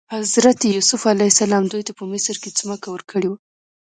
حضرت یوسف علیه السلام دوی ته په مصر کې ځمکه ورکړې وه.